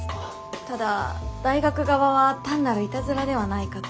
ただ大学側は単なるいたずらではないかと。